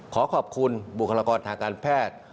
ขอขอบคุณบุคลากรทางการแพทย์